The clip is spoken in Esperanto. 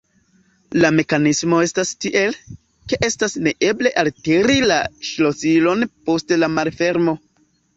La mekanismo estas tiel, ke estas neeble eltiri la ŝlosilon post la malfermo.